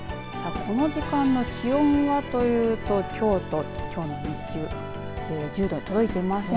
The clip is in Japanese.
この時間の気温はというと京都気温日中１０度届いていません。